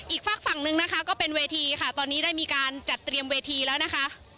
อีกฝากฝั่งนึงนะคะก็เป็นเวทีค่ะตอนนี้ได้มีการจัดเตรียมเวทีแล้วนะคะ